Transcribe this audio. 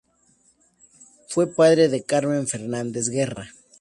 Fue padre de Carmen Fernández-Guerra.